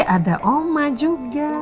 ada oma juga